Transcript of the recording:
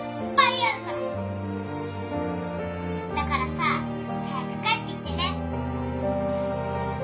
だからさ早く帰ってきてね。